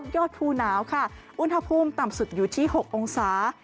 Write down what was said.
ยอดภูหนาวค่ะอุณหภูมิต่ำสุดอยู่ที่๖องศา